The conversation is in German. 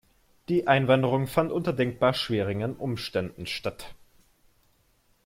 Die Einwanderung fand unter denkbar schwierigen Umständen statt.